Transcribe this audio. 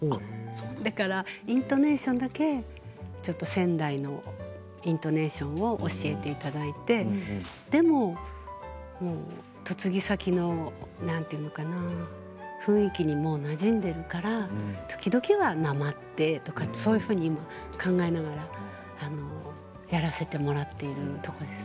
だから、イントネーションだけちょっと仙台のイントネーションを教えていただいてでも嫁ぎ先の、なんて言うのかな雰囲気にもなじんでいるから時々は、なまってとかそういうふうに考えながらやらせてもらっているところです。